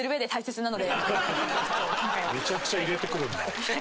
めちゃくちゃ入れてくるんだ。